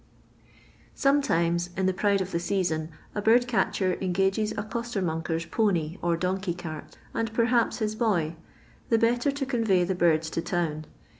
Sometimes, in the pride of the i catcher engages a coitennonger'a poney or doakaj cart, and perhaps his boy, the betttr to oomvay the birds to town.